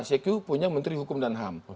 seque punya menteri hukum dan ham